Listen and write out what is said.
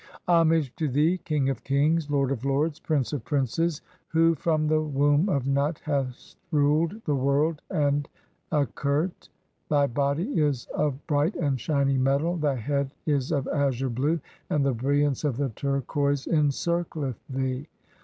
(8) "Homage to thee, King of kings, Lord of lords, Prince of "princes, who from the womb of Nut hast ruled (9) the world "and Akert. 2 Thy body is of bright and shining metal, thy head "is of azure blue, and the brilliance of the turquoise encircleth thee.